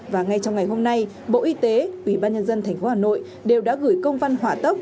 và ngay trong ngày hôm nay bộ y tế ubnd tp hà nội đều đã gửi công văn hỏa tốc